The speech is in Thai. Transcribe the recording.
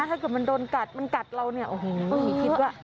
ถ้าเกิดมันโดนกัดมันกัดเราเนี่ยโอ้โหคิดว่า